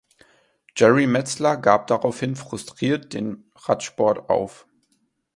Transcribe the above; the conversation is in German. Jerry Metzler gab daraufhin frustriert den Radsport auf.